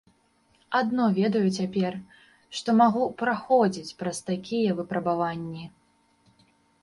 Адно што ведаю цяпер, што магу праходзіць праз такія выпрабаванні.